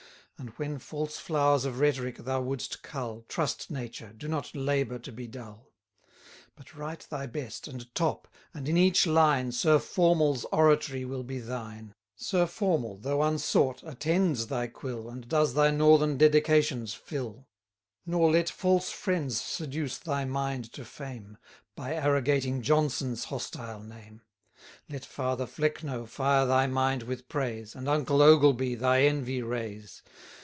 And when false flowers of rhetoric thou wouldst cull, Trust nature, do not labour to be dull; But write thy best, and top; and, in each line, Sir Formal's oratory will be thine: Sir Formal, though unsought, attends thy quill, And does thy northern dedications fill. 170 Nor let false friends seduce thy mind to fame, By arrogating Jonson's hostile name. Let Father Flecknoe fire thy mind with praise, And uncle Ogleby thy envy raise.